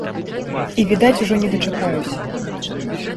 І відаць, ужо не дачакаюся.